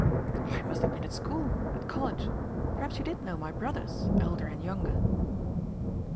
"I must have been at school at college. Perhaps you did know my brothers, elder and younger."